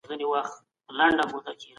که صنعت پرمختګ وکړي بیکاري به کمه سي.